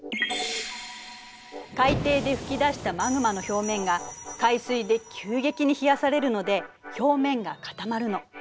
海底で噴き出したマグマの表面が海水で急激に冷やされるので表面が固まるの。